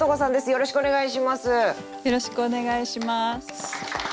よろしくお願いします。